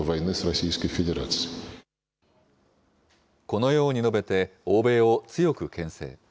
このように述べて、欧米を強くけん制。